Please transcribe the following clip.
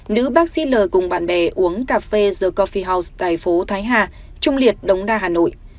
nữ bác sĩ l cùng bạn bè uống cà phê the coffee house tại phố thái hà trung liệt đông đa hà nội